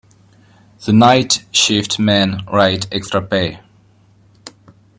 The night shift men rate extra pay.